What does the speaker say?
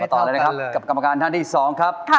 ต่อเลยนะครับกับกรรมการท่านที่๒ครับ